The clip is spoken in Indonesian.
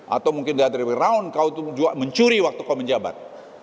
atau mungkin dari around kau mencuri waktu kau menjabat